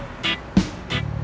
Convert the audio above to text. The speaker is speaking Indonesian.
kita akan mengerjakan